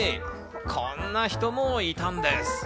こんな人もいたんです。